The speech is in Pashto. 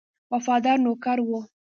وفادار نوکر وو.